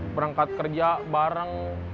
berangkat kerja bareng